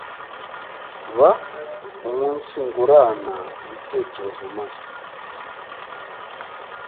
baumunsingurana ibitekerezo maze